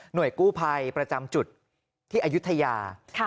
กู้ภัยประจำจุดที่อายุทยา